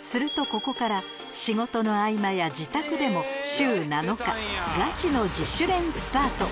するとここから仕事の合間や自宅でも週７日ガチの自主練スタート